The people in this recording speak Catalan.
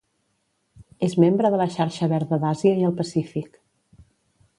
És membre de la Xarxa Verda d'Àsia i el Pacífic.